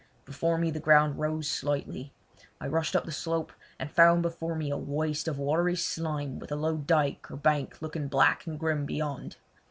Before me the ground rose slightly. I rushed up the slope and found before me a waste of watery slime, with a low dyke or bank looking black and grim beyond.